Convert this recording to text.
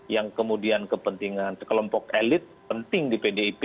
yang kemudian kepentingan sekelompok elit penting di pdip